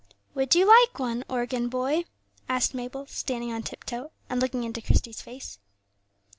"Would you like one, organ boy?" asked Mabel, standing on tip toe, and looking into Christie's face.